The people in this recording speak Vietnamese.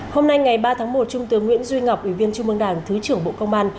hôm nay ngày ba tháng một trung tướng nguyễn duy ngọc ủy viên trung mương đảng thứ trưởng bộ công an